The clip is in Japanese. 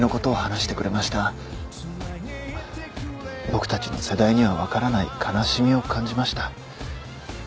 僕たちの世代には分からない悲しみを感じました。